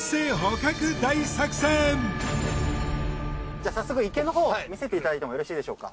じゃあ早速池のほう見せていただいてもよろしいでしょうか？